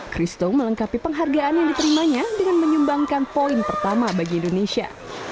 christo melengkapi penghargaan yang diterimanya dengan menyumbangkan poin pertama bagi indonesia